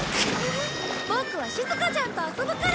ボクはしずかちゃんと遊ぶから。